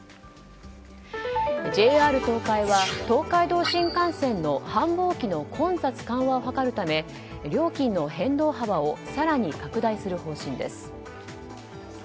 ＪＲ東海は東海道新幹線の繁忙期の混雑緩和を図るため料金の変動幅を更に拡大する方針です。